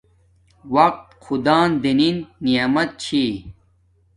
وقت خدا دنین نعمت چھی